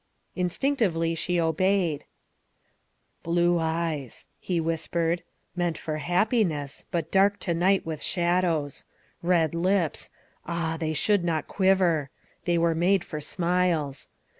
Instinctively she obeyed. " Blue eyes," he whispered, " meant for happiness, but dark to night with shadows. Red lips ah, they should not quiver; they were made for smiles.